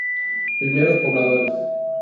Primeros Pobladores.